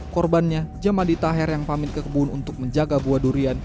korbannya jamadi taher yang pamit ke kebun untuk menjaga buah durian